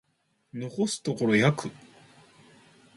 残すところ約